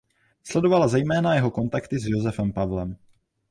Sledovala zejména jeho kontakty s Josefem Pavlem.